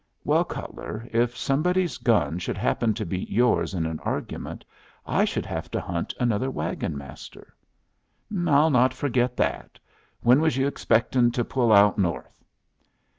"Well, Cutler, if somebody's gun should happen to beat yours in an argument, I should have to hunt another wagon master." "I'll not forget that. When was you expecting to pull out north?"